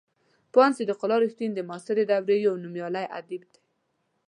پوهاند صدیق الله رښتین د معاصرې دورې یو نومیالی ادیب دی.